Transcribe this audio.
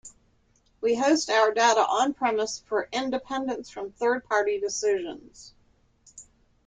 We host our data on-premise for independence from third-party decisions.